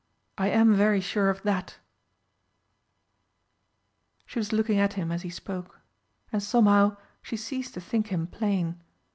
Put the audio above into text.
I am very sure of that!" She was looking at him as she spoke and somehow she ceased to think him plain.